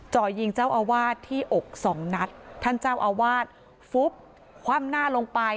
จ่อยิงเจ้าอาวาสที่อกสองนัดท่านเจ้าอาวาสฟุบคว่ำหน้าลงไป